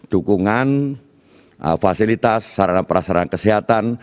dukungan fasilitas sarana prasarana kesehatan